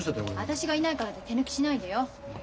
私がいないからって手抜きしないでよ。